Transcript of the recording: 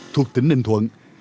thuộc tỉnh ninh thuận